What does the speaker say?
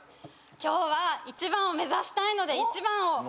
今日は一番を目指したいので１番を。